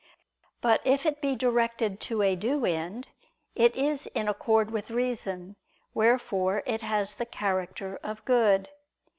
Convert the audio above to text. But if it be directed to a due end, it is in accord with reason; wherefore it has the character of good.